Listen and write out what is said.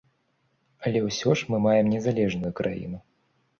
Але ўсё ж мы маем незалежную краіну.